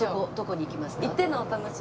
行ってのお楽しみ。